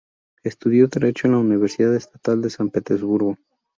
Estudió derecho en la Universidad Estatal de San Petersburgo.